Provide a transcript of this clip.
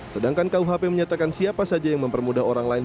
sedangkan kuhp menyatakan siapa saja yang mempermudah orang lain